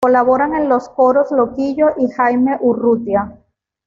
Colaboran en los coros Loquillo y Jaime Urrutia.